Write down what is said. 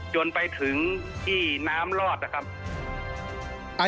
จนไปถึงที่น้ำรอดนะครับ